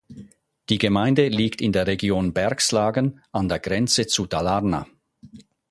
Die Gemeinde liegt in der Region Bergslagen an der Grenze zu Dalarna.